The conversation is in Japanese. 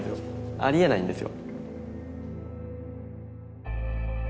ありえないんですよ。